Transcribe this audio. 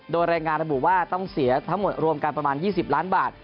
โดยรายงานระบุว่าต้องเสียทั้งหมดรวมกันประมาณ๒๐ล้านบาท